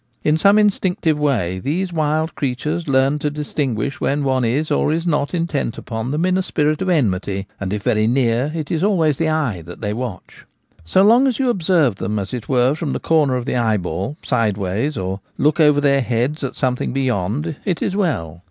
In some instinctive way these wild creatures learn to distinguish when one is or is not intent upon them in a spirit of enmity ; and if very near, it is always the eye they watch. So long as you observe them, as it were, from the corner of the eyeball, sideways, or look over their heads at some thing beyond, it is well.